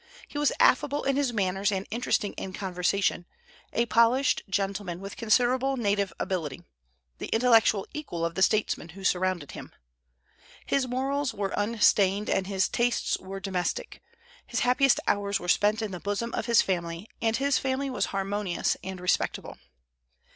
He was affable in his manners, and interesting in conversation; a polished gentleman, with considerable native ability, the intellectual equal of the statesmen who surrounded him. His morals were unstained, and his tastes were domestic. His happiest hours were spent in the bosom of his family; and his family was harmonious and respectable.